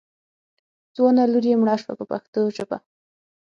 ځوانه لور یې مړه شوه په پښتو ژبه.